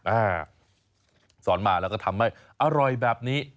อ่าสอนมาแล้วก็ทำให้อร่อยแบบนี้